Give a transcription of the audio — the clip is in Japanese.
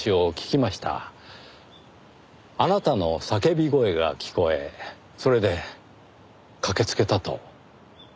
あなたの叫び声が聞こえそれで駆けつけたと。